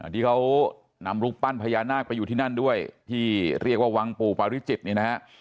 ที่เค้านำลูกปั้นพระยานาคอยู่ที่นั่นด้วยที่เรียกว่าวังปุประวิจิตินี่นะฮะ